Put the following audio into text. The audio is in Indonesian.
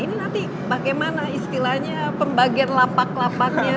ini nanti bagaimana istilahnya pembagian lapak lapaknya